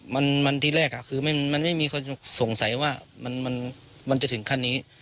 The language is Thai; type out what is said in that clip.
มันที่แรกคือมันไม่มีคนสงสัยว่ามันจะถึงขั้นนี้